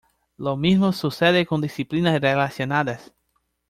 Lo mismo sucede con disciplinas relacionadas.